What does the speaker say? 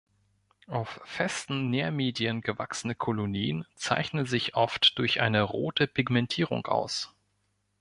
Auf festen Nährmedien gewachsene Kolonien zeichnen sich oft durch eine rote Pigmentierung aus.